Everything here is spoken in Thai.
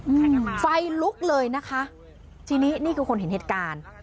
ยังไงไฟลุกเลยนะคะทีนี้นี่คือคนเห็นเหตุการณ์